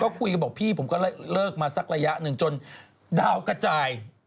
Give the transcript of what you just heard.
ก็คุยกันบอกพี่ผมก็เลิกมาสักระยะหนึ่งจนดาวกระจาย